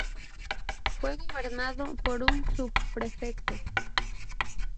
Fue gobernado por un subprefecto.